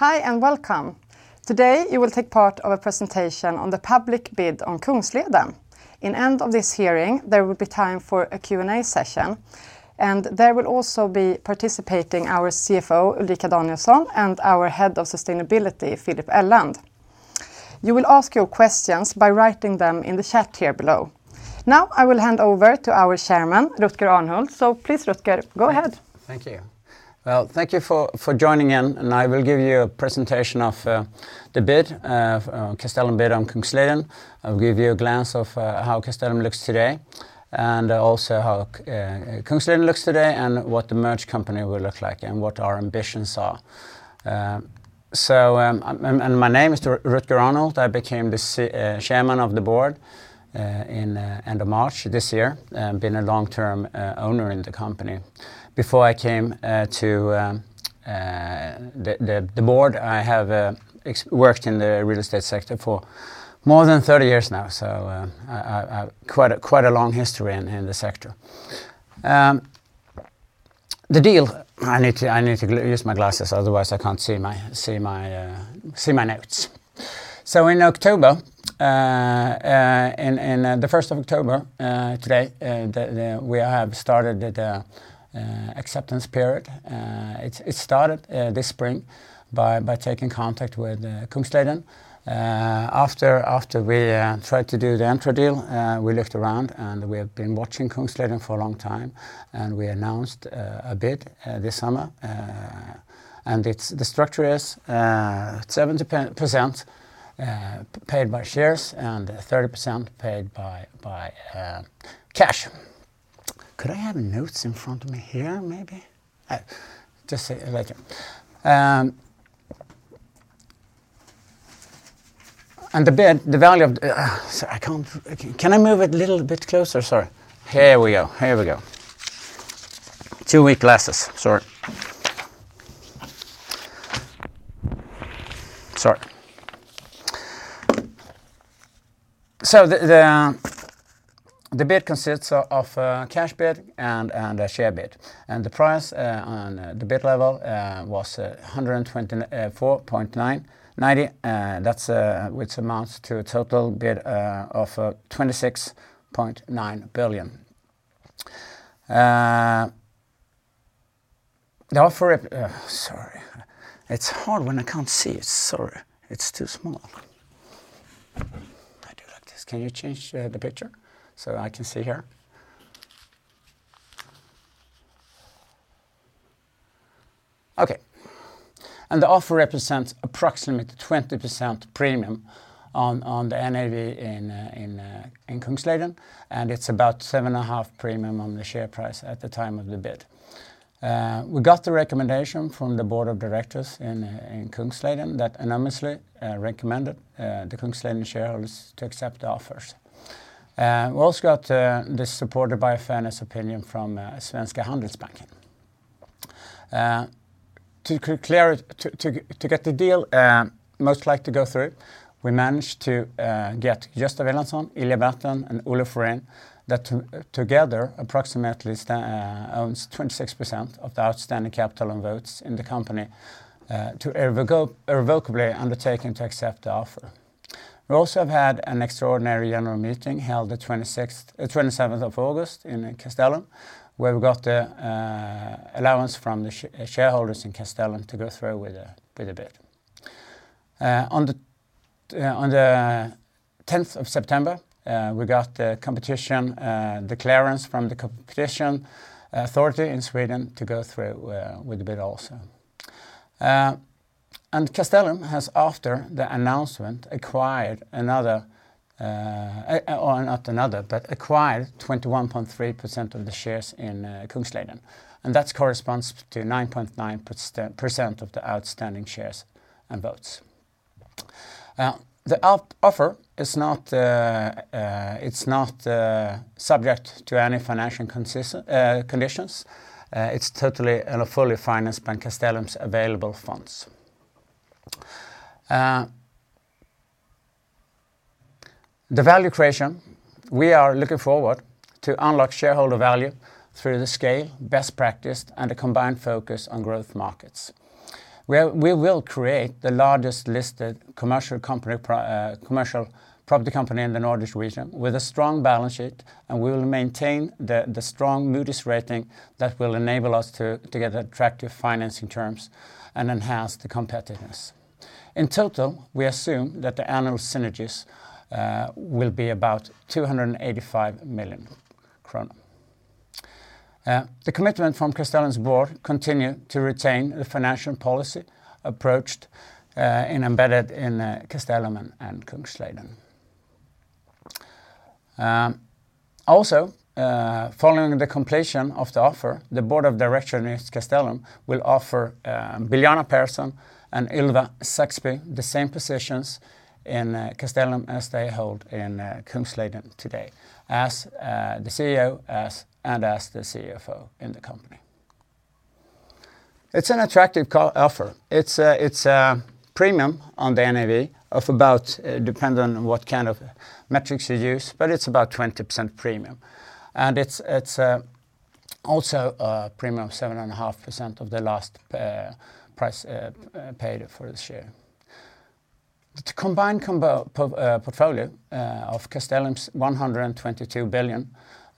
Hi, and welcome. Today, you will take part in a presentation on the public bid on Kungsleden. In end of this hearing, there will be time for a Q&A session, and there will also be participating our CFO, Ulrika Danielsson, and our Head of Sustainability, Filip Elland. You will ask your questions by writing them in the chat here below. Now, I will hand over to our Chairman, Rutger Arnhult. Please, Rutger, go ahead. Thank you. Well, thank you for joining in, I will give you a presentation of the bid, Castellum bid on Kungsleden. I'll give you a glance of how Castellum looks today. Also how Kungsleden looks today, what the merged company will look like, what our ambitions are. My name is Rutger Arnhult. I became the Chairman of the Board in end of March this year. I have been a long-term owner in the company. Before I came to the Board, I have worked in the real estate sector for more than 30 years now. Quite a long history in the sector. The deal I need to use my glasses, otherwise I can't see my notes. In October, in October 1st, today, we have started the acceptance period. It started this spring by taking contact with Kungsleden. After we tried to do the Entra deal, we looked around, we have been watching Kungsleden for a long time, we announced a bid this summer. The structure is 70% paid by shares and 30% paid by cash. Could I have notes in front of me here, maybe? Just a second. The bid, the value of the Sorry, I can't. Can I move it a little bit closer? Sorry. Here we go. Too weak glasses. Sorry. Sorry. The bid consists of a cash bid and a share bid, the price on the bid level was 124.990, which amounts to a total bid of 26.9 billion. The offer. Sorry. It's hard when I can't see it. Sorry. It's too small. I do like this. Can you change the picture so that I can see here? Okay. The offer represents approximately 20% premium on the NAV in Kungsleden, and it's about 7.5 premium on the share price at the time of the bid. We got the recommendation from the board of directors in Kungsleden that unanimously recommended the Kungsleden shareholders to accept the offers. We also got this supported by a fairness opinion from Svenska Handelsbanken. To get the deal most likely to go through, we managed to get Gösta Welandson, Ilija Batljan, and Olle Florén, that together approximately owns 26% of the outstanding capital and votes in the company to irrevocably undertake to accept the offer. We also have had an extraordinary general meeting held the August 27th, in Castellum, where we got the allowance from the shareholders in Castellum to go through with the bid. On the 10th of September, we got the clearance from the competition authority in Sweden to go through with the bid also. Castellum has, after the announcement, acquired 21.3% of the shares in Kungsleden, and that corresponds to 9.9% of the outstanding shares and votes. The offer, it's not subject to any financial conditions. It's totally and fully financed by Castellum's available funds. The value creation, we are looking forward to unlock shareholder value through the scale, best practice, and a combined focus on growth markets, where we will create the largest listed commercial property company in the Nordic region with a strong balance sheet, and we will maintain the strong Moody's rating that will enable us to get attractive financing terms and enhance the competitiveness. In total, we assume that the annual synergies will be about 285 million kronor. The commitment from Castellum's board continue to retain the financial policy approached and embedded in Castellum and Kungsleden. Following the completion of the offer, the board of director in Castellum will offer Biljana Pehrsson and Ylva Sarby Westman the same positions in Castellum as they hold in Kungsleden today, as the CEO and as the CFO in the company. It's an attractive offer. It's a Premium on the NAV of about, depending on what kind of metrics you use, but it's about 20% premium. It's also a premium of 7.5% of the last price paid for the share. The combined portfolio of Castellum's 122 billion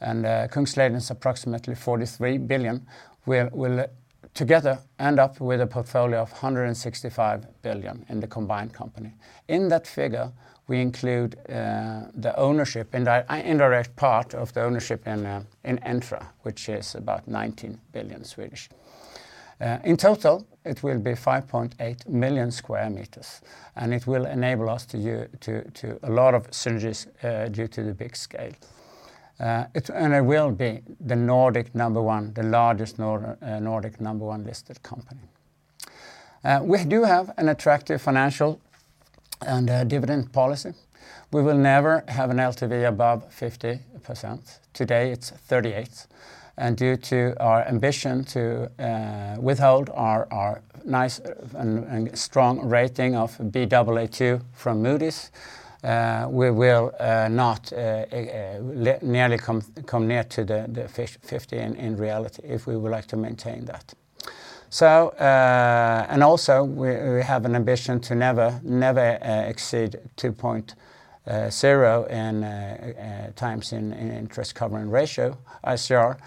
and Kungsleden's approximately 43 billion, will together end up with a portfolio of 165 billion in the combined company. In that figure, we include the indirect part of the ownership in Entra, which is about 19 billion. In total, it will be 5.8 million sq m, and it will enable us to do a lot of synergies due to the big scale. It will be the Nordic number one, the largest Nordic number one listed company. We do have an attractive financial and dividend policy. We will never have an LTV above 50%. Today, it's 38. Due to our ambition to withhold our nice and strong rating of Baa2 from Moody's, we will not come near to the 50 in reality if we would like to maintain that. Also, we have an ambition to never exceed 2.0 in times in interest cover and ratio, ICR.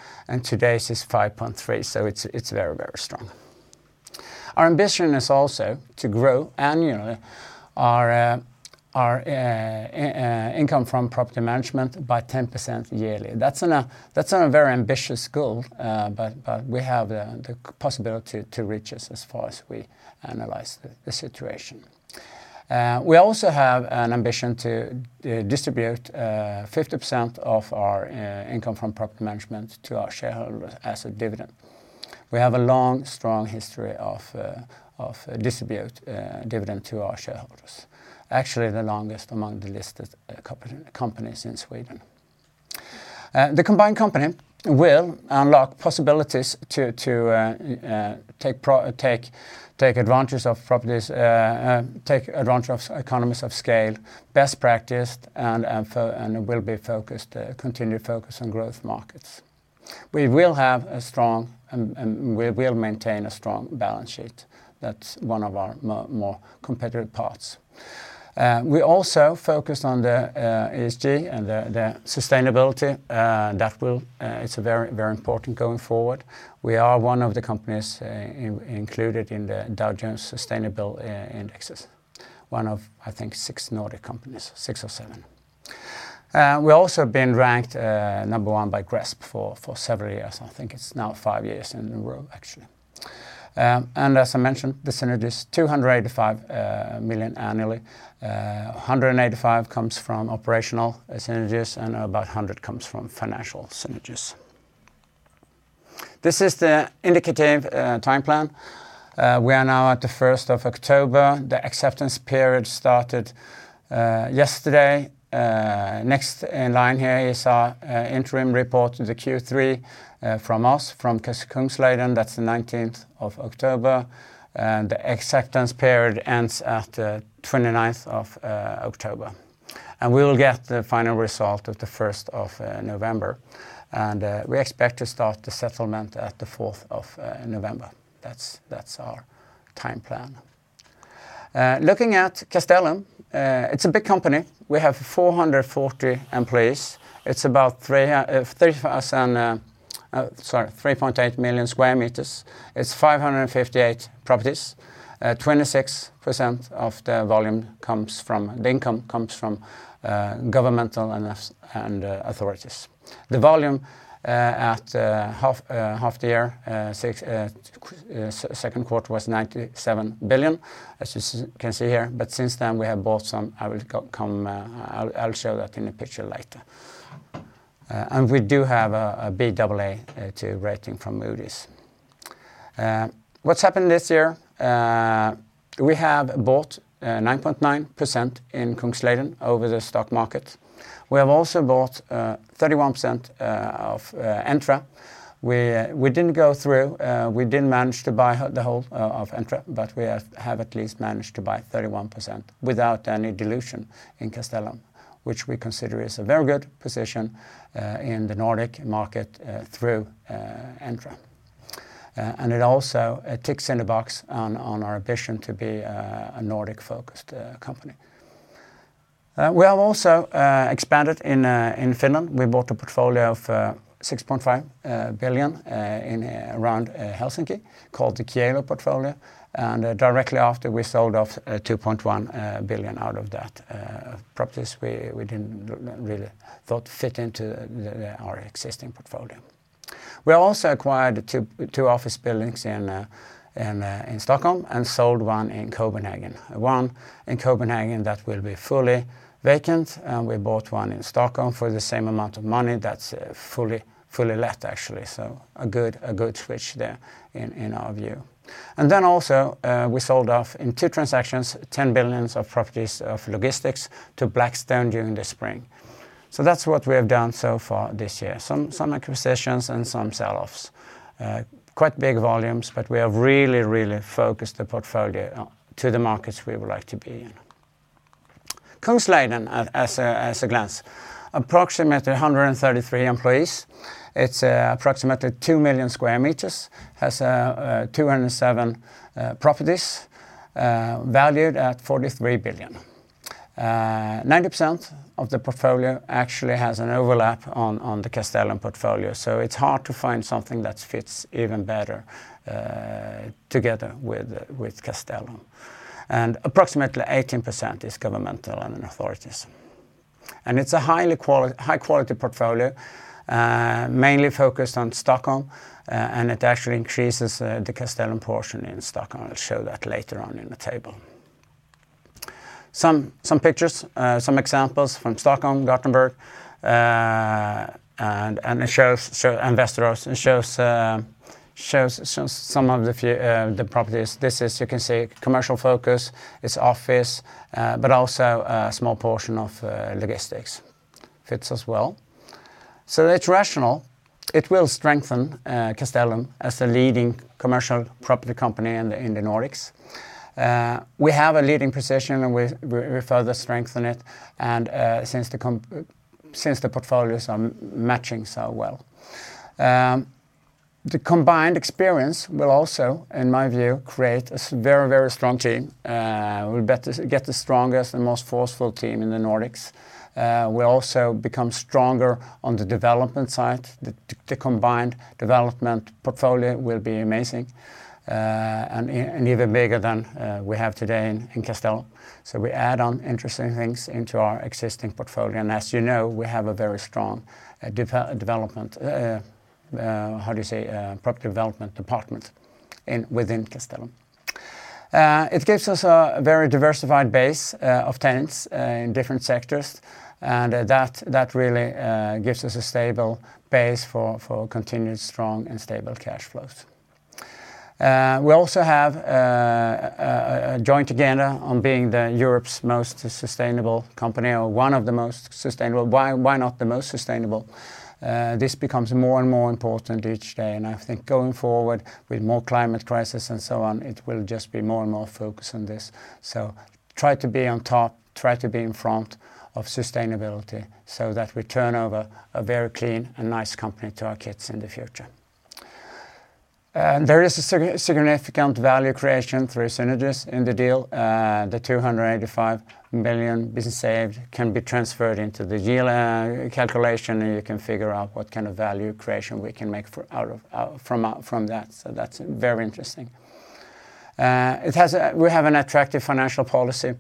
Today it is 5.3, so it's very strong. Our ambition is also to grow annually our income from property management by 10% yearly. That's not a very ambitious goal, but we have the possibility to reach it as far as we analyze the situation. We also have an ambition to distribute 50% of our income from property management to our shareholders as a dividend. We have a long, strong history of distribute dividend to our shareholders. Actually, the longest among the listed companies in Sweden. The combined company will unlock possibilities to take advantage of economies of scale, best practice, and will be continued focus on growth markets. We will maintain a strong balance sheet. That's one of our more competitive parts. We also focus on the ESG and the sustainability. It's very important going forward. We are one of the companies included in the Dow Jones Sustainability Indices. one of, I think, six Nordic companies, six or seven. We also have been ranked number one by GRESB for several years. I think it's now five years in a row, actually. As I mentioned, the synergies, 285 million annually, 185 million comes from operational synergies, about 100 million comes from financial synergies. This is the indicative time plan. We are now at the October 1st. The acceptance period started yesterday. Next in line here is our interim report, the Q3 from us, from Kungsleden. That's the October 19th. The acceptance period ends at the October 29th. We will get the final result at the November 1st. We expect to start the settlement at the November 4th. That's our time plan. Looking at Castellum, it's a big company. We have 440 employees. It's about 3.8 million sq m. It's 558 properties. 26% of the income comes from governmental and authorities. The volume at half the year, second quarter, was 97 billion, as you can see here. Since then, we have bought some. I'll show that in a picture later. We do have a Baa2 rating from Moody's. What's happened this year? We have bought 9.9% in Kungsleden over the stock market. We have also bought 31% of Entra. We didn't go through. We didn't manage to buy the whole of Entra, but we have at least managed to buy 31% without any dilution in Castellum, which we consider is a very good position in the Nordic market through Entra. It also ticks in the box on our ambition to be a Nordic-focused company. We have also expanded in Finland. We bought a portfolio of 6.5 billion around Helsinki called the Kielo portfolio. Directly after, we sold off 2.1 billion out of that properties we didn't really thought fit into our existing portfolio. We also acquired two office buildings in Stockholm and sold one in Copenhagen. One in Copenhagen that will be fully vacant, we bought one in Stockholm for the same amount of money that's fully let, actually. A good switch there in our view. We sold off in two transactions, 10 billion of properties of logistics to Blackstone during the spring. That's what we have done so far this year, some acquisitions and some sell-offs. Quite big volumes, we have really, really focused the portfolio to the markets we would like to be in. Kungsleden as a glance, approximately 133 employees. It's approximately two million sq m, has 207 properties valued at 43 billion. 90% of the portfolio actually has an overlap on the Castellum portfolio. It's hard to find something that fits even better, together with Castellum. Approximately 18% is governmental and in authorities. It's a high quality portfolio, mainly focused on Stockholm, and it actually increases the Castellum portion in Stockholm. I'll show that later on in the table. Some pictures, some examples from Stockholm, Gothenburg, and Västerås, and shows some of the properties. This is, you can see, commercial focus. It's office, but also a small portion of logistics, fits as well. It's rational. It will strengthen Castellum as the leading commercial property company in the Nordics. We have a leading position, and we further strengthen it, and since the portfolios are matching so well. The combined experience will also, in my view, create a very, very strong team. We'll get the strongest and most forceful team in the Nordics. We'll also become stronger on the development side. The combined development portfolio will be amazing, and even bigger than we have today in Castellum. We add on interesting things into our existing portfolio. As you know, we have a very strong property development department within Castellum. It gives us a very diversified base of tenants, in different sectors, and that really gives us a stable base for continued strong and stable cash flows. We also have a joint agenda on being the Europe's most sustainable company, or one of the most sustainable. Why not the most sustainable? This becomes more and more important each day, I think going forward with more climate crisis and so on, it will just be more and more focus on this. Try to be on top, try to be in front of sustainability so that we turn over a very clean and nice company to our kids in the future. There is a significant value creation through synergies in the deal. The 285 million we saved can be transferred into the deal calculation, and you can figure out what kind of value creation we can make from that. That's very interesting. We have an attractive financial policy.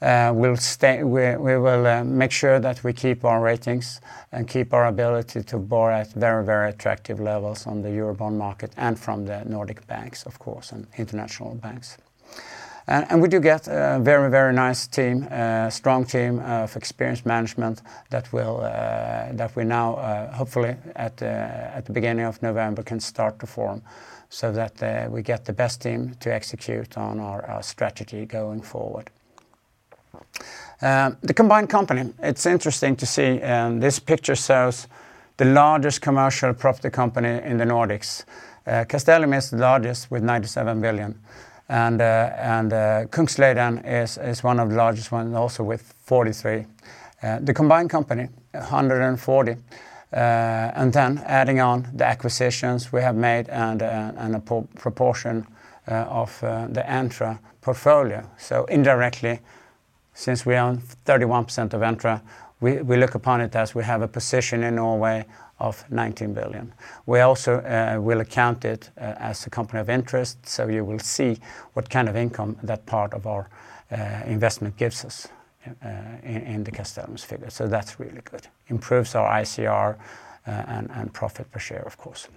We will make sure that we keep our ratings and keep our ability to borrow at very, very attractive levels on the Eurobond market and from the Nordic banks, of course, and international banks. We do get a very, very nice team, a strong team of experienced management that we now hopefully at the beginning of November can start to form so that we get the best team to execute on our strategy going forward. The combined company, it's interesting to see, this picture shows the largest commercial property company in the Nordics. Castellum is the largest with 97 billion, and Kungsleden is one of the largest ones, also with 43 billion. The combined company, 140 billion, and then adding on the acquisitions we have made and a proportion of the Entra portfolio. Indirectly, since we own 31% of Entra, we look upon it as we have a position in Norway of 19 billion. We also will account it as a company of interest, so you will see what kind of income that part of our investment gives us in the Castellum figure. That's really good. Improves our ICR and profit per share, of course.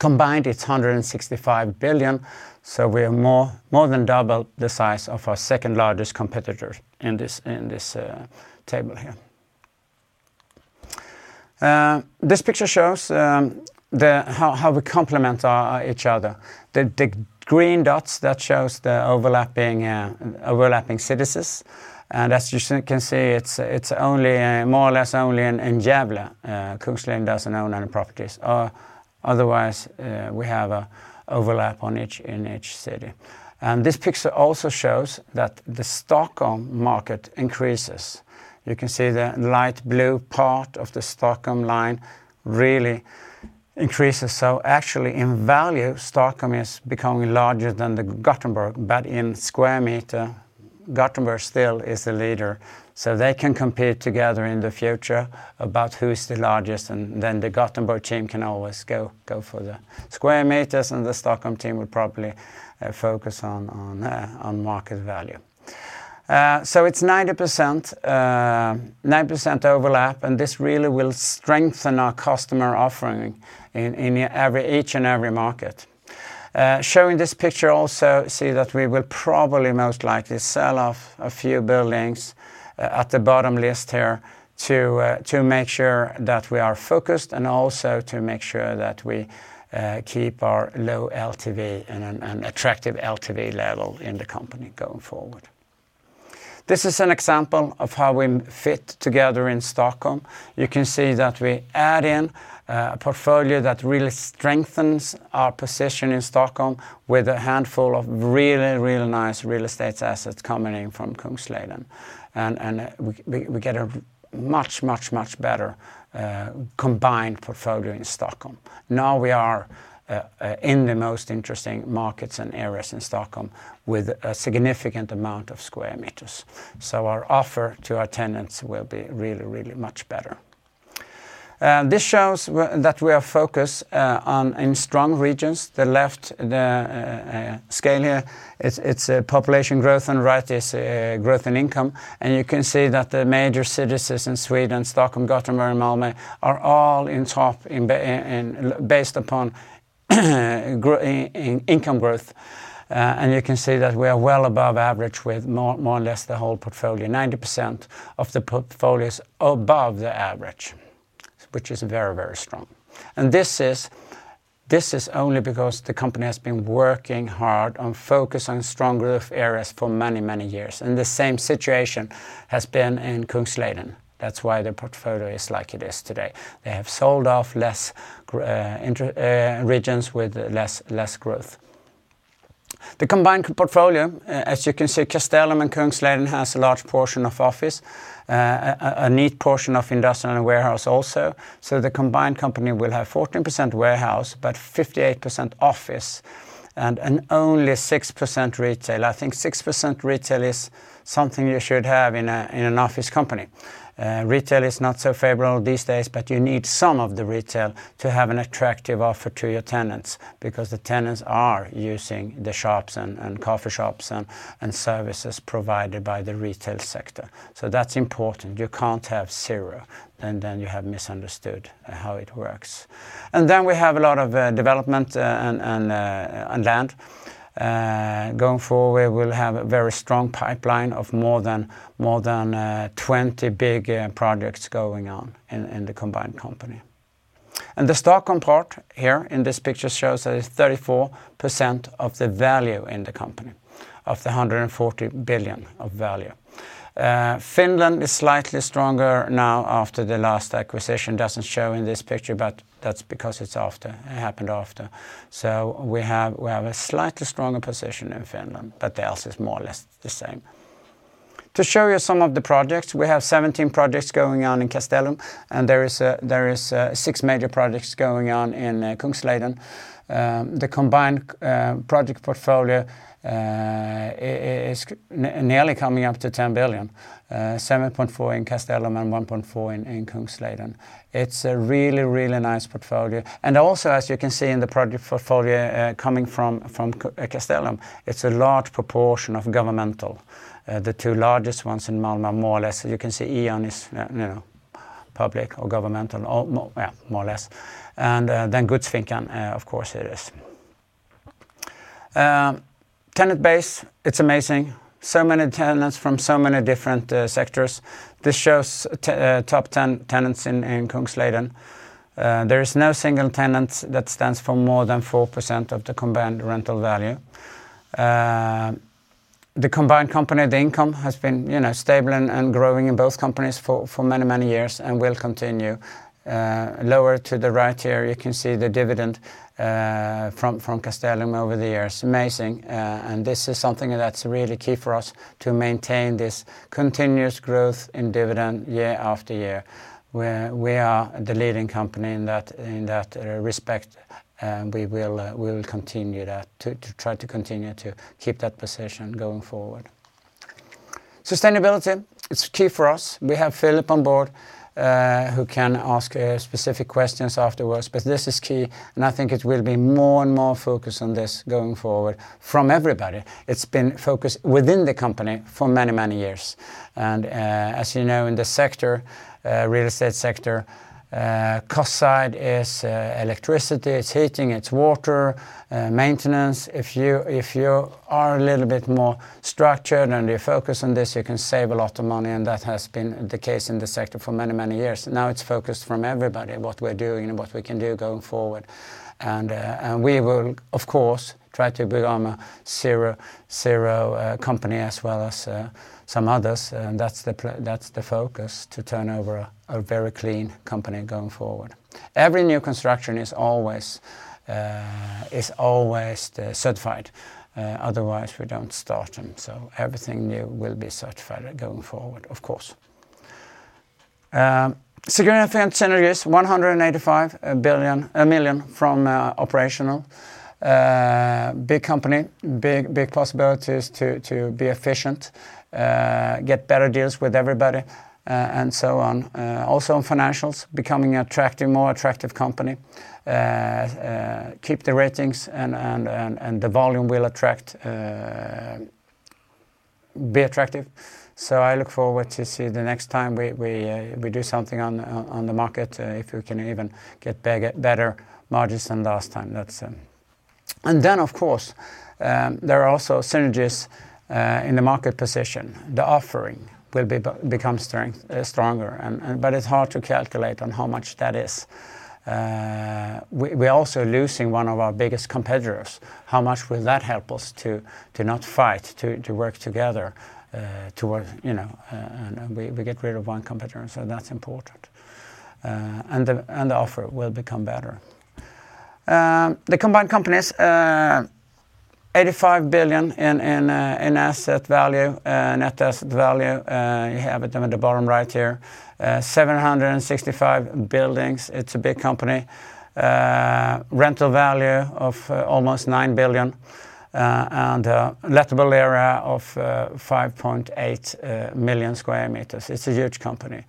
Combined, it's 165 billion, so we are more than double the size of our second-largest competitor in this table here. This picture shows how we complement each other. The green dots that shows the overlapping cities, and as you can see, it's more or less only in Gävle Kungsleden doesn't own any properties. Otherwise, we have a overlap in each city. This picture also shows that the Stockholm market increases. You can see the light blue part of the Stockholm line really increases. Actually, in value, Stockholm is becoming larger than Gothenburg, but in square meter, Gothenburg still is the leader. They can compete together in the future about who's the largest, and then the Gothenburg team can always go for the square meters, and the Stockholm team would probably focus on market value. It's 90% overlap, and this really will strengthen our customer offering in each and every market. Showing this picture also, we can see that we will probably most likely sell off a few buildings at the bottom list here to make sure that we are focused and also to make sure that we keep our low LTV and an attractive LTV level in the company going forward. This is an example of how we fit together in Stockholm. You can see that we add in a portfolio that really strengthens our position in Stockholm with a handful of really nice real estate assets coming in from Kungsleden. We get a much better combined portfolio in Stockholm. Now we are in the most interesting markets and areas in Stockholm with a significant amount of sq m. Our offer to our tenants will be really much better. This shows that we are focused in strong regions. The left, the scale here, it's population growth, right is growth in income. You can see that the major cities in Sweden, Stockholm, Gothenburg, and Malmo, are all on top based upon income growth. You can see that we are well above average with more or less the whole portfolio, 90% of the portfolio is above the average, which is very strong. This is only because the company has been working hard on focus on strong growth areas for many years. The same situation has been in Kungsleden. That's why the portfolio is like it is today. They have sold off regions with less growth. The combined portfolio, as you can see, Castellum and Kungsleden has a large portion of office, a neat portion of industrial and warehouse also. The combined company will have 14% warehouse, but 58% office and only 6% retail. I think 6% retail is something you should have in an office company. Retail is not so favorable these days, but you need some of the retail to have an attractive offer to your tenants, because the tenants are using the shops and coffee shops and services provided by the retail sector. That's important. You can't have zero, and then you have misunderstood how it works. We have a lot of development and land. Going forward, we'll have a very strong pipeline of more than 20 big projects going on in the combined company. The Stockholm part here in this picture shows that it's 34% of the value in the company, of the 140 billion of value. Finland is slightly stronger now after the last acquisition. Doesn't show in this picture, but that's because it happened after. We have a slightly stronger position in Finland, but the else is more or less the same. To show you some of the projects, we have 17 projects going on in Castellum, there is six major projects going on in Kungsleden. The combined project portfolio is nearly coming up to 10 billion, 7.4 in Castellum and 1.4 in Kungsleden. It's a really nice portfolio. Also, as you can see in the project portfolio coming from Castellum, it's a large proportion of governmental. The two largest ones in Malmö, more or less, you can see E.ON is public or governmental, or more or less. Godsfirman, of course it is. Tenant base, it's amazing. Many tenants from so many different sectors. This shows top 10 tenants in Kungsleden. There is no single tenant that stands for more than 4% of the combined rental value. The combined company, the income has been stable and growing in both companies for many years and will continue. Lower to the right here, you can see the dividend from Castellum over the years. Amazing. This is something that's really key for us to maintain this continuous growth in dividend year after year, where we are the leading company in that respect, and we will continue that, to try to continue to keep that position going forward. Sustainability, it's key for us. We have Filip on board who can ask specific questions afterwards, but this is key, and I think it will be more and more focus on this going forward from everybody. It's been focused within the company for many years. As you know, in the real estate sector, cost side is electricity, it's heating, it's water, maintenance. If you are a little bit more structured and you focus on this, you can save a lot of money, and that has been the case in the sector for many years. Now it's focused from everybody on what we're doing and what we can do going forward. We will, of course, try to become a zero company as well as some others. That's the focus, to turn over a very clean company going forward. Every new construction is always certified. Otherwise, we don't start them. Everything new will be certified going forward, of course. Synergies, SEK 185 million from operational. Big company, big possibilities to be efficient, get better deals with everybody, and so on. Also on financials, becoming a more attractive company. Keep the ratings and the volume will be attractive. I look forward to see the next time we do something on the market, if we can even get better margins than last time. Of course, there are also synergies in the market position, the offering will become stronger. It's hard to calculate on how much that is. We're also losing one of our biggest competitors. We get rid of one competitor, so that's important. The offer will become better. The combined companies, 85 billion in asset value, net asset value. You have it down at the bottom right here. 765 buildings. It's a big company. Rental value of almost 9 billion, and lettable area of 5.8 million sq m. It's a huge company.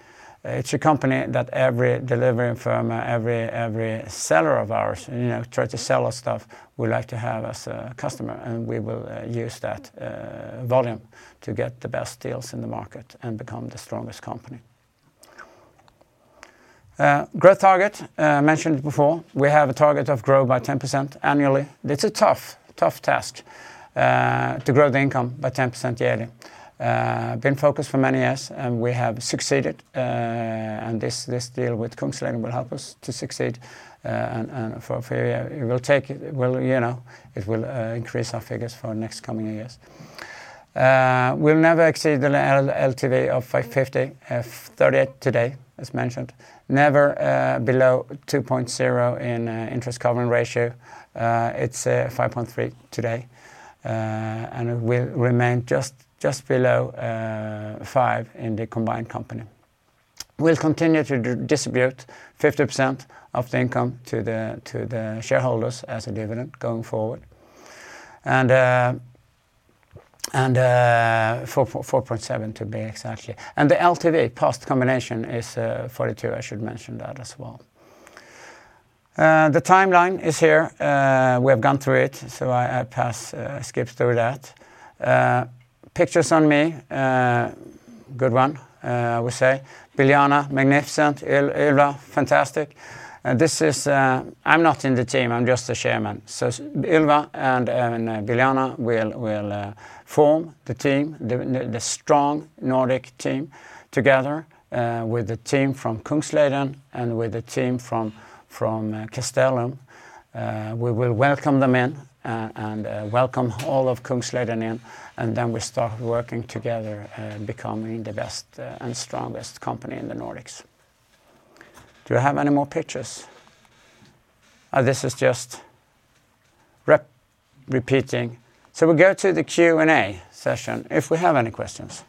It's a company that every delivering firm, every seller of ours, try to sell us stuff, would like to have us as a customer. We will use that volume to get the best deals in the market and become the strongest company. Growth target, I mentioned before, we have a target of grow by 10% annually. It's a tough task to grow the income by 10% yearly. We have been focused for many years. We have succeeded. This deal with Kungsleden will help us to succeed. It will increase our figures for next coming years. We'll never exceed the LTV of 550, it's 38 today, as mentioned. Never below 2.0 in interest covering ratio. It's 5.3 today. It will remain just below five in the combined company. We'll continue to distribute 50% of the income to the shareholders as a dividend going forward, 4.7 to be exactly. The LTV post combination is 42%, I should mention that as well. The timeline is here. We have gone through it, so I skip through that. Pictures on me. Good one, I would say. Biljana, magnificent. Ylva, fantastic. I'm not in the team, I'm just the chairman. Ylva and Biljana will form the team, the strong Nordic team together, with the team from Kungsleden and with the team from Castellum. We will welcome them in, and welcome all of Kungsleden in, and then we start working together, becoming the best and strongest company in the Nordics. Do I have any more pictures? This is just repeating. We go to the Q&A session, if we have any questions.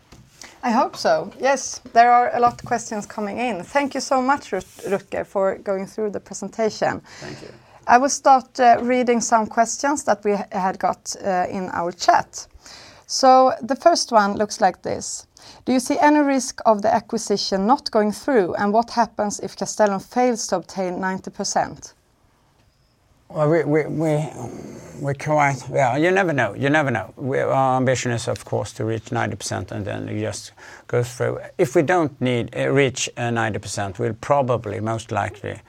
I hope so. Yes, there are a lot questions coming in. Thank you so much, Rutger, for going through the presentation. Thank you. I will start reading some questions that we had got in our chat. The first one looks like this. "Do you see any risk of the acquisition not going through? And what happens if Castellum fails to obtain 90%? Well, you never know. Our ambition is, of course, to reach 90% and then it just goes through. If we don't reach 90%, we'll probably most likely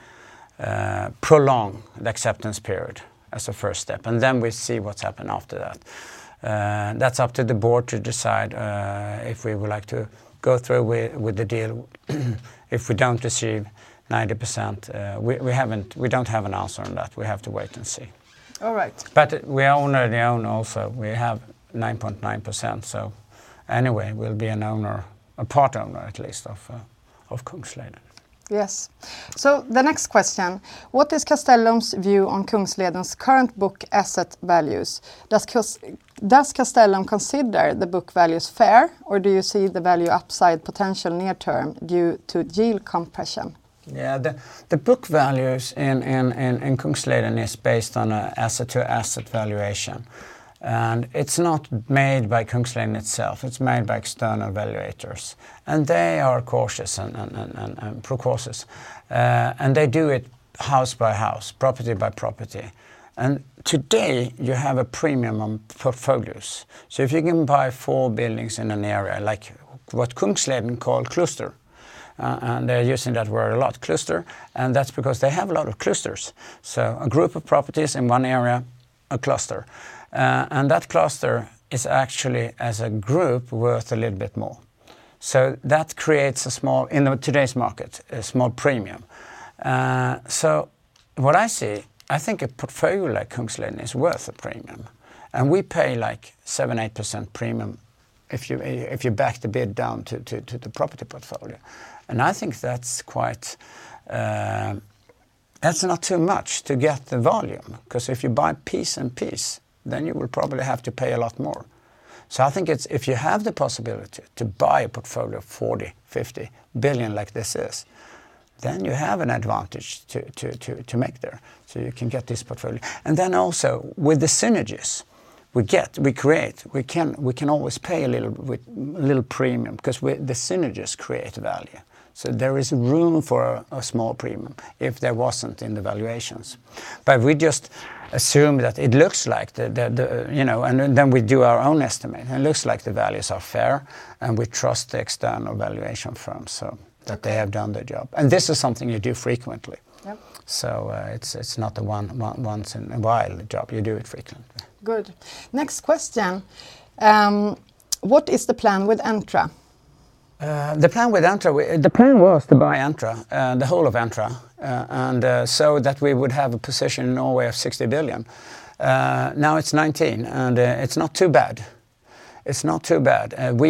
prolong the acceptance period as a first step, and then we see what happens after that. That's up to the board to decide, if we would like to go through with the deal if we don't receive 90%. We don't have an answer on that. We have to wait and see. All right. We are already an owner also. We have 9.9%, anyway, we'll be an owner, a part-owner at least of Kungsleden. Yes. The next question, What is Castellum's view on Kungsleden's current book asset values? Does Castellum consider the book values fair, or do you see the value upside potential near term due to yield compression? The book values in Kungsleden is based on a asset to asset valuation, it's not made by Kungsleden itself, it's made by external valuators. They are cautious and precautious. They do it house by house, property by property. Today you have a premium on portfolios. If you can buy four buildings in an area, like what Kungsleden call cluster, they're using that word a lot, cluster, that's because they have a lot of clusters. A group of properties in one area, a cluster. That cluster is actually, as a group, worth a little bit more. That creates, in today's market, a small premium. What I see, I think a portfolio like Kungsleden is worth a premium, we pay 7%-8% premium if you back the bid down to the property portfolio. I think that's not too much to get the volume because if you buy piece and piece, then you will probably have to pay a lot more. I think if you have the possibility to buy a portfolio of 40 billion-50 billion like this is, then you have an advantage to make there, so you can get this portfolio. Then also with the synergies we get, we create, we can always pay a little premium because the synergies create value. There is room for a small premium if there wasn't in the valuations. We just assume that it looks like. Then we do our own estimate, and it looks like the values are fair, and we trust the external valuation firms, so that they have done their job. This is something you do frequently. Yep. It's not a once in a while job. You do it frequently. Good. Next question. What is the plan with Entra? The plan was to buy the whole of Entra, so that we would have a position in Norway of 60 billion. Now it's 19 billion, and it's not too bad. We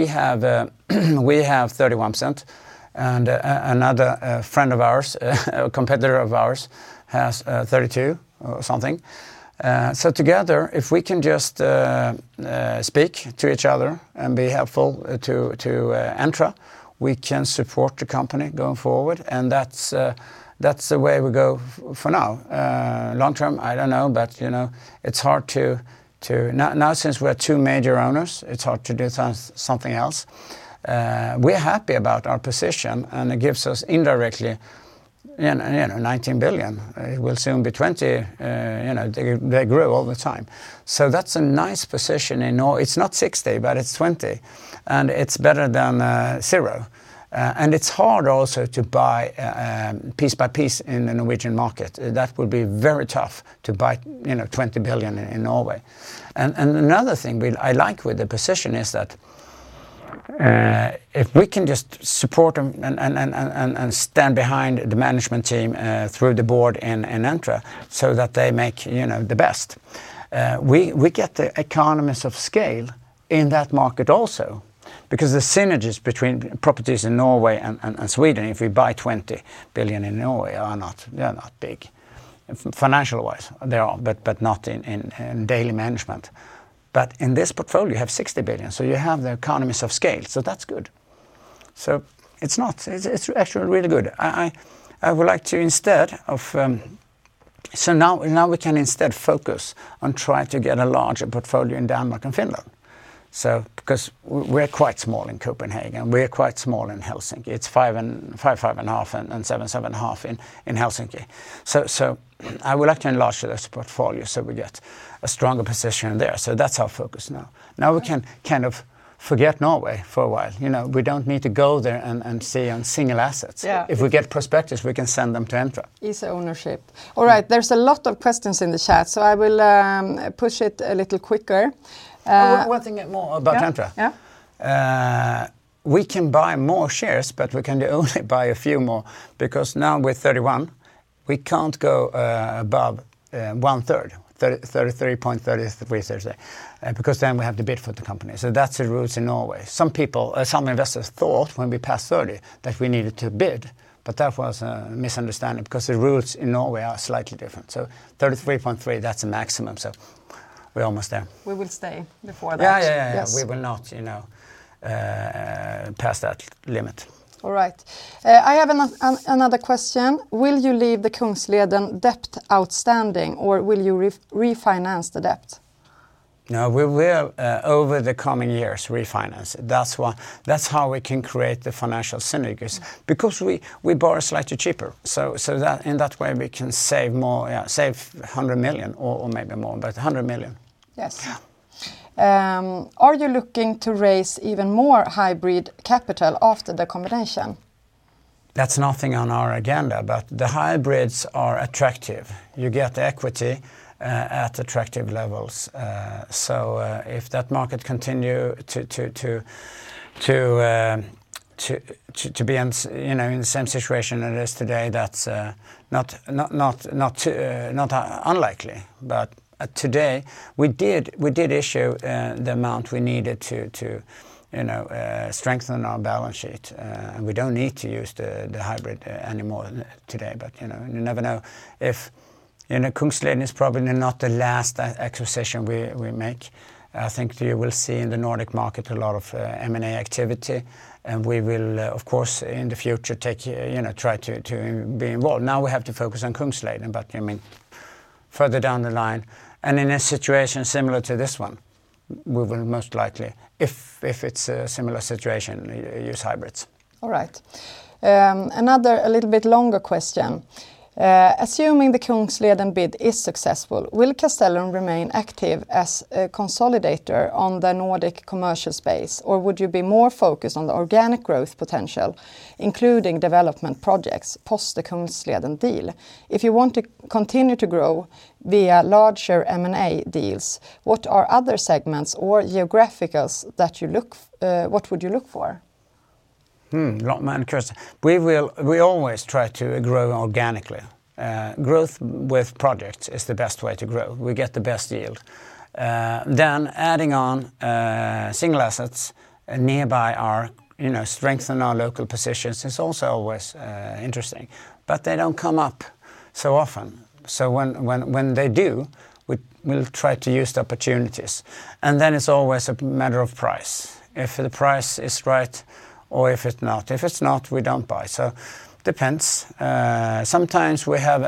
have 31%, and another friend of ours, a competitor of ours, has 32% or something. Together, if we can just speak to each other and be helpful to Entra, we can support the company going forward, and that's the way we go for now. Long term, I don't know. Now, since we are two major owners, it's hard to do something else. We're happy about our position, and it gives us, indirectly, 19 billion. It will soon be 20 billion. They grow all the time. That's a nice position in Norway. It's not 60 billion, but it's 20 billion, and it's better than 0. It's hard also to buy piece by piece in the Norwegian market. That would be very tough to buy 20 billion in Norway. Another thing I like with the position is that if we can just support and stand behind the management team through the board in Entra so that they make the best, we get the economies of scale in that market also, because the synergies between properties in Norway and Sweden, if we buy 20 billion in Norway, they are not big financial-wise. They are, but not in daily management. In this portfolio, you have 60 billion, so you have the economies of scale, so that's good. It's actually really good. Now we can instead focus on trying to get a larger portfolio in Denmark and Finland. We're quite small in Copenhagen, we're quite small in Helsinki. It's 5 billion, 5.5 billion, and 7 billion, SEK 7.5 billion in Helsinki. I would like to enlarge this portfolio so we get a stronger position there. That's our focus now. Now we can forget Norway for a while. We don't need to go there and see on single assets. Yeah. If we get prospectuses, we can send them to Entra. Easy ownership. All right. There's a lot of questions in the chat, so I will push it a little quicker. One thing more about Entra. Yeah. We can buy more shares, we can only buy a few more, because now we're 31, we can't go above one third, 33.33%. Then we have to bid for the company. That's the rules in Norway. Some investors thought when we passed 30 that we needed to bid, that was a misunderstanding because the rules in Norway are slightly different. 33.3, that's the maximum. We're almost there. We will stay before that. Yeah. Yes. We will not pass that limit. All right. I have another question. Will you leave the Kungsleden debt outstanding, or will you refinance the debt? No, we will, over the coming years, refinance. That's how we can create the financial synergies. We borrow slightly cheaper, so in that way, we can save more, save 100 million or maybe more, but 100 million. Yes. Yeah. Are you looking to raise even more hybrid capital after the combination? That's nothing on our agenda, but the hybrids are attractive. You get equity at attractive levels. If that market continue to be in the same situation it is today, that's not unlikely. Today we did issue the amount we needed to strengthen our balance sheet. We don't need to use the hybrid anymore today. You never know if Kungsleden is probably not the last acquisition we make. I think you will see in the Nordic market a lot of M&A activity, and we will, of course, in the future try to be involved. Now we have to focus on Kungsleden, but further down the line, and in a situation similar to this one, we will most likely, if it's a similar situation, use hybrids. Another a little bit longer question. Assuming the Kungsleden bid is successful, will Castellum remain active as a consolidator on the Nordic commercial space, or would you be more focused on the organic growth potential, including development projects post the Kungsleden deal? If you want to continue to grow via larger M&A deals, what are other segments or geographicals? What would you look for? Interesting. We always try to grow organically. Growth with projects is the best way to grow. We get the best yield. Adding on single assets nearby our strengthen our local positions is also always interesting. They don't come up so often. When they do, we'll try to use the opportunities, and then it's always a matter of price. If the price is right or if it's not. If it's not, we don't buy. Depends. Sometimes we have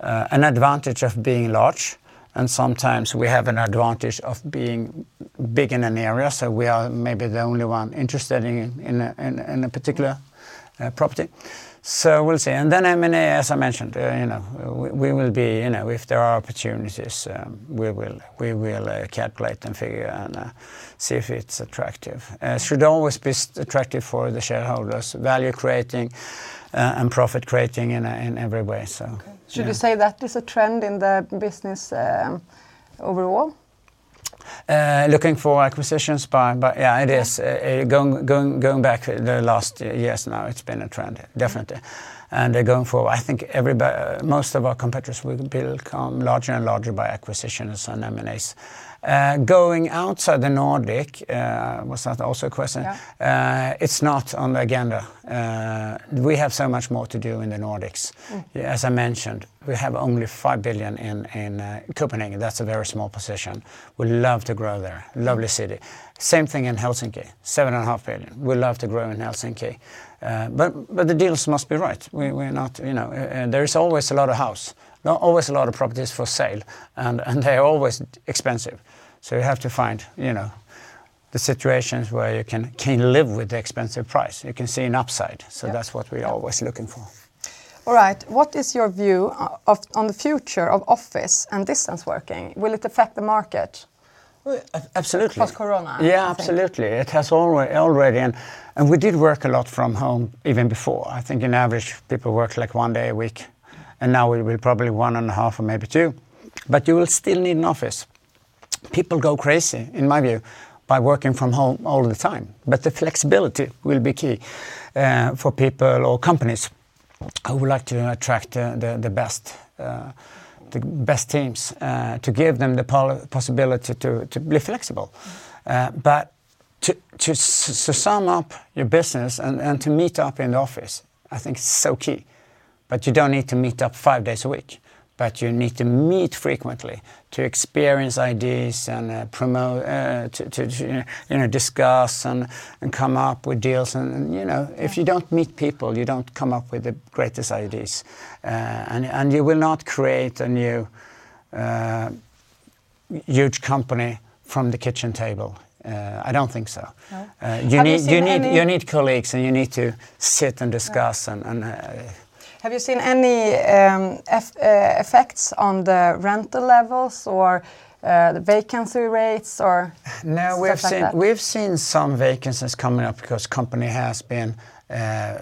an advantage of being large, and sometimes we have an advantage of being big in an area, so we are maybe the only one interested in a particular property. We'll see. M&A, as I mentioned, if there are opportunities, we will calculate and figure and see if it's attractive. It should always be attractive for the shareholders, value creating and profit creating in every way. Okay. Should you say that is a trend in the business overall? Looking for acquisitions, yeah, it is. Going back the last years now, it's been a trend, definitely. Going forward, I think most of our competitors will become larger and larger by acquisitions and M&As. Going outside the Nordic, was that also a question? Yeah. It's not on the agenda. We have so much more to do in the Nordics. As I mentioned, we have only 5 billion in Copenhagen. That's a very small position. We'd love to grow there. Lovely city. Same thing in Helsinki, seven and a half billion. We'd love to grow in Helsinki. The deals must be right. There is always a lot of house, not always a lot of properties for sale, they are always expensive. You have to find the situations where you can live with the expensive price, you can see an upside. Yeah. That's what we're always looking for. All right. What is your view on the future of office and distance working? Will it affect the market? Absolutely. Post-corona, I think. Yeah, absolutely. It has already, and we did work a lot from home even before. I think on average, people work one day a week, and now we're probably 1.5 or maybe two. You will still need an office. People go crazy, in my view, by working from home all the time. The flexibility will be key for people or companies who would like to attract the best teams, to give them the possibility to be flexible. To sum up your business and to meet up in the office, I think is so key. You don't need to meet up five days a week, but you need to meet frequently to experience ideas and to discuss and come up with deals. Yeah. If you don't meet people, you don't come up with the greatest ideas, and you will not create a new huge company from the kitchen table. I don't think so. No. You need colleagues, and you need to sit and discuss. Have you seen any effects on the rental levels or the vacancy rates or stuff like that? No, we've seen some vacancies coming up because companies have been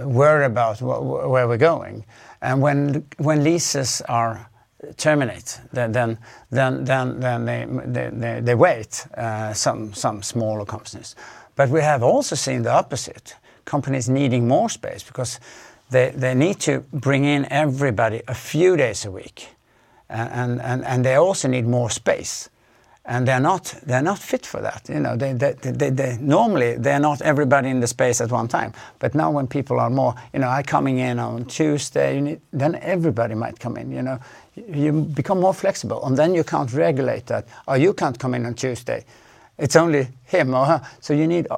worried about where we're going, and when leases terminate, then they wait, some smaller companies. We have also seen the opposite, companies needing more space because they need to bring in everybody a few days a week, and they also need more space, and they're not fit for that. Normally, they're not everybody in the space at one time. Now when people are more, "I'm coming in on Tuesday," then everybody might come in. You become more flexible, and then you can't regulate that. "Oh, you can't come in on Tuesday. It's only him or her." You need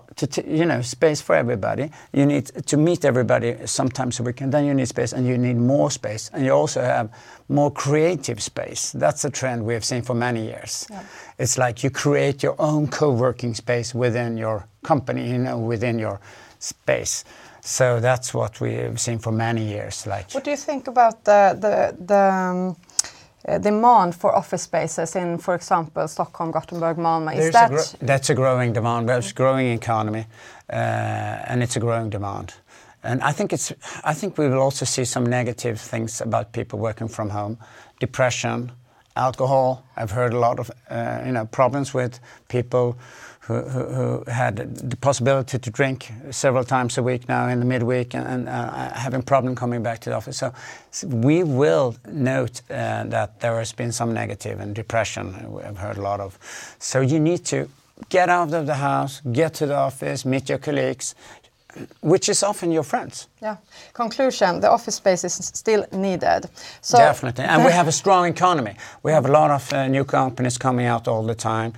space for everybody. You need to meet everybody some times a week, and then you need space, and you need more space, and you also have more creative space. That's a trend we have seen for many years. Yeah. It's like you create your own co-working space within your company, within your space. That's what we have seen for many years. What do you think about the demand for office spaces in, for example, Stockholm, Gothenburg, Malmö? Is that- That's a growing demand. Well, it's a growing economy, and it's a growing demand. I think we will also see some negative things about people working from home, depression, alcohol. I've heard a lot of problems with people who had the possibility to drink several times a week now in the midweek, and having problem coming back to the office. We will note that there has been some negative, and depression, we have heard a lot of. You need to get out of the house, get to the office, meet your colleagues, which is often your friends. Yeah. Conclusion, the office space is still needed. Definitely. We have a strong economy. We have a lot of new companies coming out all the time.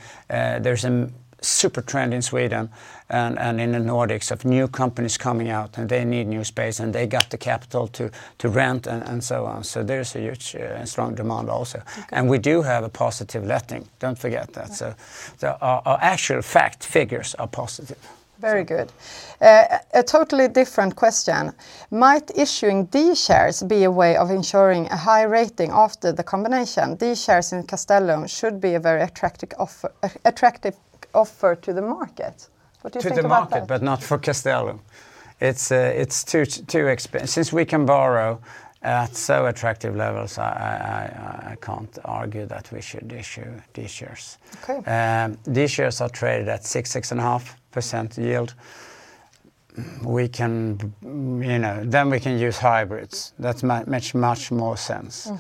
There's a super trend in Sweden and in the Nordics of new companies coming out, and they need new space, and they got the capital to rent and so on. There's a huge and strong demand also. Okay. We do have a positive letting, don't forget that. Yeah. Our actual fact figures are positive. Very good. A totally different question. Might issuing D shares be a way of ensuring a high rating after the combination? D shares in Castellum should be a very attractive offer to the market. What do you think about that? To the market, but not for Castellum. It's too expensive. Since we can borrow at so attractive levels, I can't argue that we should issue D shares. Okay. D shares are traded at 6.5% yield. We can use hybrids. That makes much more sense.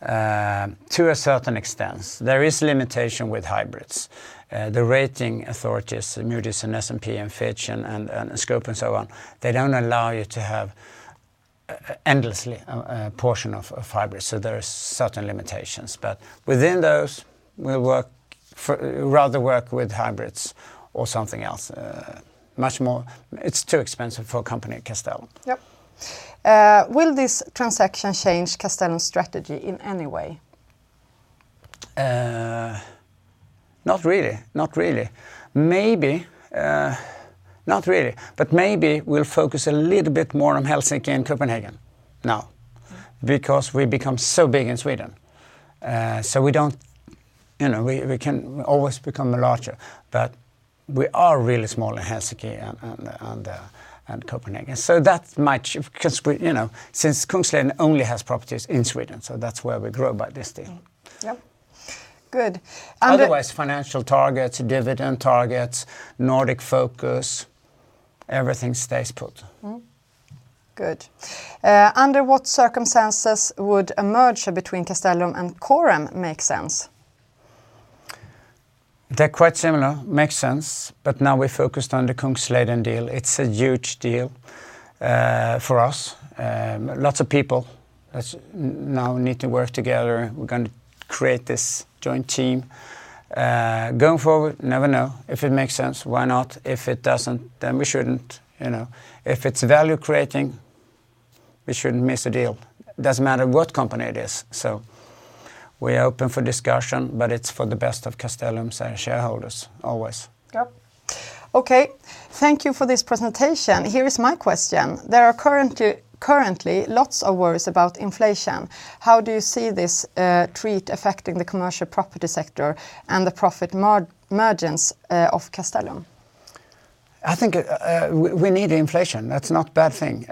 To a certain extent. There is limitation with hybrids. The rating authorities, Moody's and S&P and Fitch and Scope and so on, they don't allow you to have endlessly a portion of hybrids. There are certain limitations. Within those, we'd rather work with hybrids or something else. It's too expensive for a company like Castellum. Yep. Will this transaction change Castellum's strategy in any way? Not really. Not really. Maybe we'll focus a little bit more on Helsinki and Copenhagen now, because we've become so big in Sweden. We can always become larger. We are really small in Helsinki and Copenhagen. Kungsleden only has properties in Sweden, so that's where we grow by this deal. Yep. Good. Otherwise, financial targets, dividend targets, Nordic focus, everything stays put. Good. Under what circumstances would a merger between Castellum and Corem make sense? They're quite similar. Makes sense, but now we're focused on the Kungsleden deal. It's a huge deal for us. Lots of people now need to work together. We're going to create this joint team. Going forward, never know. If it makes sense, why not? If it doesn't, then we shouldn't. If it's value creating, we shouldn't miss a deal. Doesn't matter what company it is. We are open for discussion, but it's for the best of Castellum's shareholders always. Yep. Okay. Thank you for this presentation. Here is my question. There are currently lots of worries about inflation. How do you see this threat affecting the commercial property sector and the profit margins of Castellum? I think we need inflation. That's not a bad thing.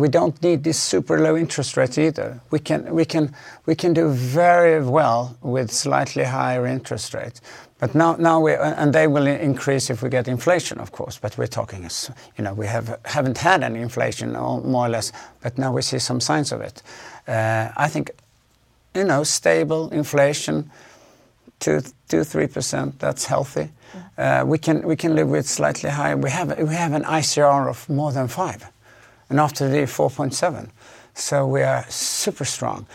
We don't need these super low interest rates either. We can do very well with slightly higher interest rates. They will increase if we get inflation, of course, but we haven't had any inflation, more or less, but now we see some signs of it. I think stable inflation, 2%, 3%, that's healthy. We can live with slightly higher. We have an ICR of more than five, and after the 4.7, so we are super strong.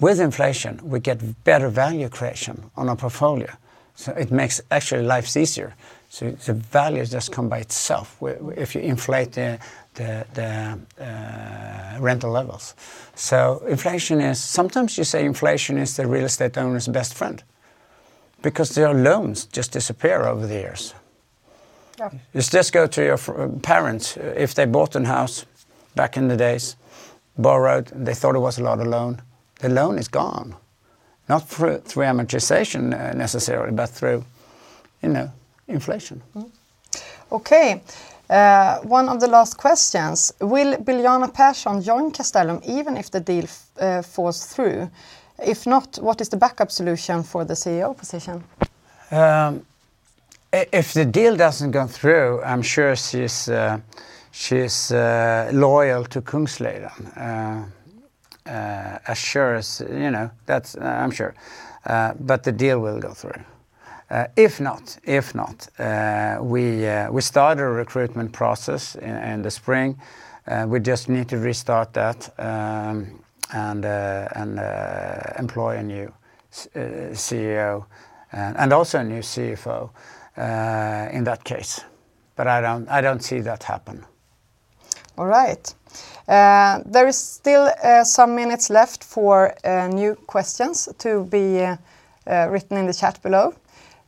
With inflation, we get better value creation on our portfolio. It makes, actually, lives easier. The value just come by itself, if you inflate the rental levels. Sometimes you say inflation is the real estate owner's best friend, because their loans just disappear over the years. Yeah. Just go to your parents. If they bought a house back in the days, borrowed, they thought it was a lot of loan, the loan is gone. Not through amortization necessarily, but through inflation. Okay. One of the last questions, will Biljana Pehrsson join Castellum even if the deal falls through? If not, what is the backup solution for the CEO position? If the deal doesn't go through, I'm sure she's loyal to Kungsleden. I'm sure. The deal will go through. If not, if not, we start a recruitment process in the spring. We just need to restart that, and employ a new CEO, and also a new CFO in that case. I don't see that happen. All right. There is still some minutes left for new questions to be written in the chat below.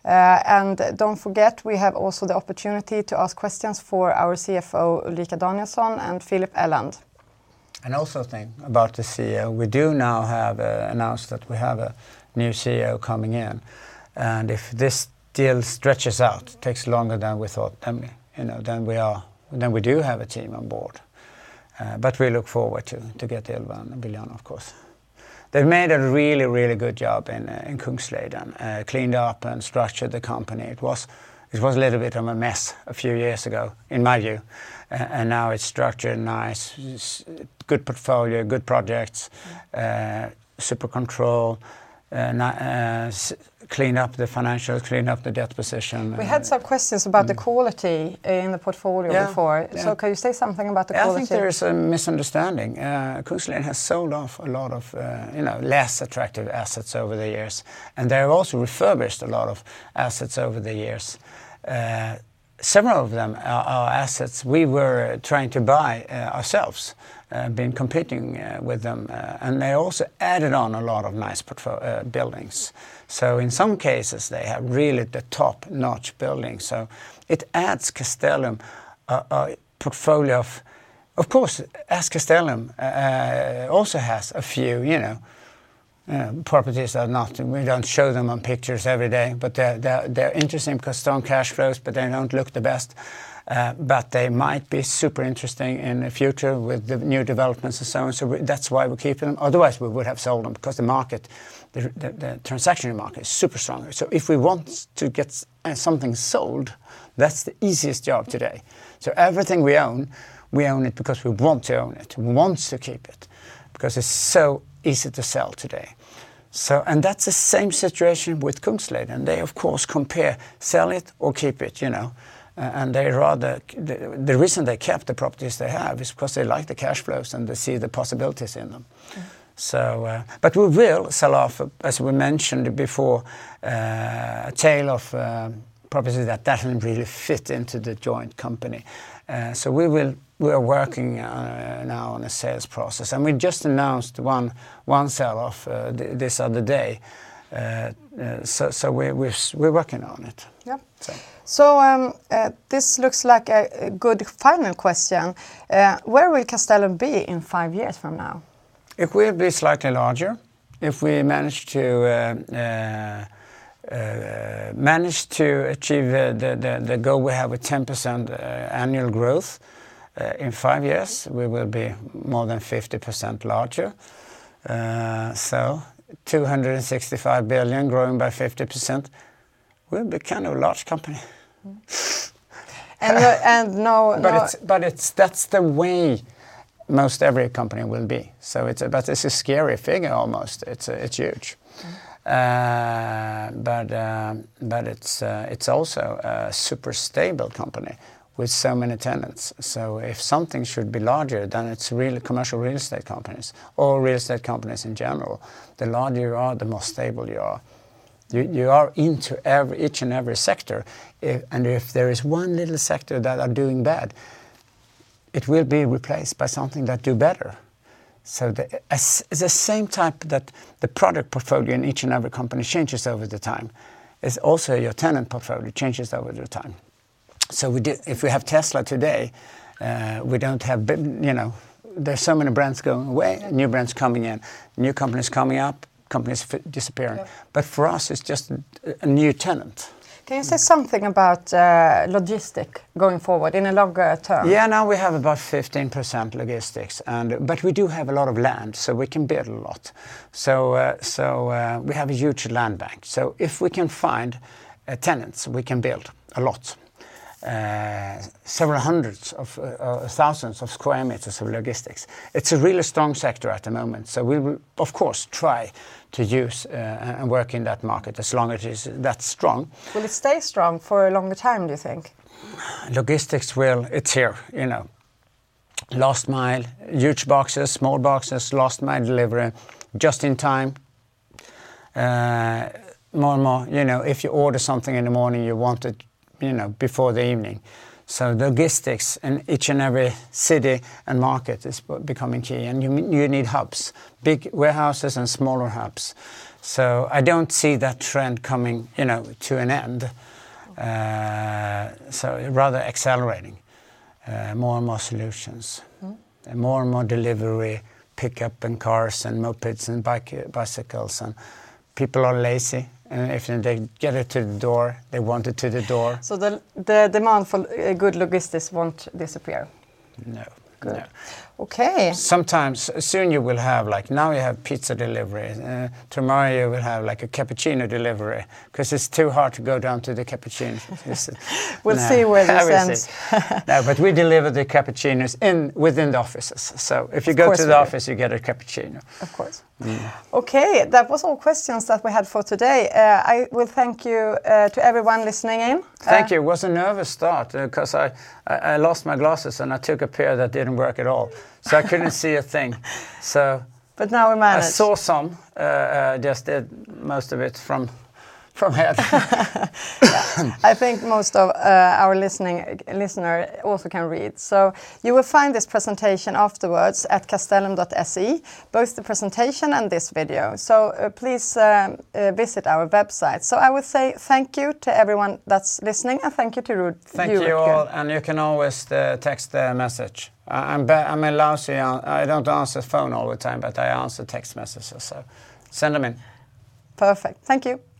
Don't forget, we have also the opportunity to ask questions for our CFO, Ulrika Danielsson and Filip Elland. Also think about the CEO, we do now have announced that we have a new CEO coming in, and if this deal stretches out, takes longer than we thought, then we do have a team on board. We look forward to get Ylva and Biljana of course. They've made a really, really good job in Kungsleden. Cleaned up and structured the company. It was a little bit of a mess a few years ago, in my view. Now it's structured nice. Good portfolio, good projects. Super control, cleaned up the financials, cleaned up the debt position. We had some questions about the quality in the portfolio before. Yeah. Can you say something about the quality? I think there is a misunderstanding. Kungsleden has sold off a lot of less attractive assets over the years, and they have also refurbished a lot of assets over the years. Several of them are assets we were trying to buy ourselves, been competing with them, and they also added on a lot of nice buildings. In some cases, they have really the top-notch buildings. It adds Castellum a portfolio. Of course, Castellum also has a few properties that we don't show them on pictures every day, but they're interesting because strong cash flows, but they don't look the best. They might be super interesting in the future with the new developments and so on. That's why we're keeping them. Otherwise, we would have sold them because the transaction market is super strong. If we want to get something sold, that's the easiest job today. Everything we own, we own it because we want to own it, want to keep it, because it's so easy to sell today. That's the same situation with Kungsleden. They of course compare sell it or keep it. The reason they kept the properties they have is because they like the cash flows, and they see the possibilities in them. We will sell off, as we mentioned before, a tail of properties that doesn't really fit into the joint company. We are working now on a sales process, and we just announced one sell-off this other day. We're working on it. Yep. So This looks like a good final question. Where will Castellum be in five years from now? It will be slightly larger if we manage to achieve the goal we have a 10% annual growth, in five years, we will be more than 50% larger. 265 billion growing by 50%, we'll be kind of a large company. Mm-hmm. That's the way most every company will be. It's a scary figure almost. It's huge. It's also a super stable company with so many tenants. If something should be larger, it's really commercial real estate companies or real estate companies in general, the larger you are, the most stable you are. You are into each and every sector. If there is one little sector that are doing bad, it will be replaced by something that do better. It's the same type that the product portfolio in each and every company changes over the time, is also your tenant portfolio changes over the time. If we have Tesla today, there's so many brands going away. Yeah new brands coming in, new companies coming up, companies disappearing. Yeah. For us, it's just a new tenant. Can you say something about logistic going forward in a longer term? Yeah. Now we have about 15% logistics. We do have a lot of land, so we can build a lot. We have a huge land bank. If we can find tenants, we can build a lot, several hundreds of thousands of square meters of logistics. It's a really strong sector at the moment. We will of course try to use and work in that market as long as it is that strong. Will it stay strong for a longer time, do you think? Logistics will, it's here. Last mile, huge boxes, small boxes, last mile delivery, just in time. More and more, if you order something in the morning, you want it before the evening. Logistics in each and every city and market is becoming key, and you need hubs, big warehouses and smaller hubs. I don't see that trend coming to an end. rather accelerating more and more solutions. More and more delivery, pickup, and cars and mopeds and bicycles and people are lazy, and if they get it to the door, they want it to the door. The demand for a good logistics won't disappear? No. Good. Okay. Sometimes, soon you will have Like now you have pizza delivery. Tomorrow you will have like a cappuccino delivery, because it's too hard to go down to the cappuccino place. We'll see where this ends. We deliver the cappuccinos within the offices. Of course. If you go to the office, you get a cappuccino. Of course. Yeah. Okay. That was all questions that we had for today. I will thank you, to everyone listening in. Thank you. It was a nervous start, because I lost my glasses, and I took a pair that didn't work at all. I couldn't see a thing. Now we managed. I saw some, just did most of it from head. I think most of our listener also can read. You will find this presentation afterwards at castellum.se, both the presentation and this video. Please visit our website. I would say thank you to everyone that's listening, and thank you to Rutger. Thank you all. You can always text a message. I'm lousy on, I don't answer phone all the time, but I answer text messages, so send them in. Perfect. Thank you.